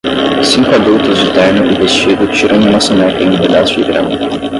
Cinco adultos de terno e vestido tiram uma soneca em um pedaço de grama.